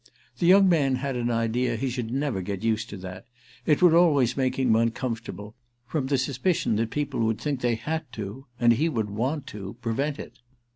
The young man had an idea he should never get used to that; it would always make him uncomfortable—from the suspicion that people would think they had to—and he would want to prevent it.